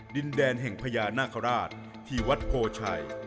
ดินแดนแห่งพญานาคาราชที่วัดโพชัย